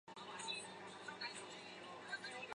主要城镇为布里尼奥勒。